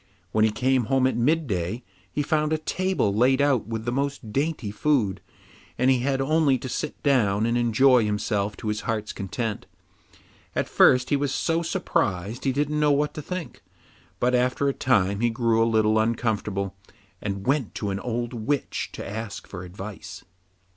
When he came home at midday, he found a table laid out with the most dainty food, and he had only to sit down and enjoy himself to his heart's content. At first he was so surprised he didn't know what to think, but after a time he grew a little uncomfortable, and went to an old witch to ask for advice.